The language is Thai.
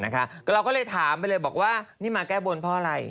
ก็เลยถามไปเลยบอกว่านี่มาแก้บนเพราะอะไร